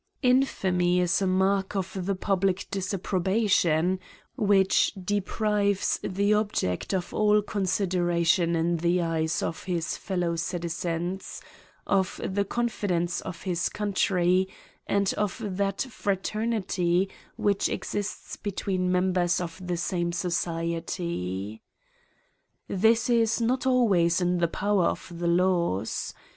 Infamy is a mark of the public disapprobation, w^hich deprives the object of all consideration in the eyes of his fellow citizens, of the confidence of his country, and of that fra ternitv which exists between members of the same society. This is not always in the power of the laws.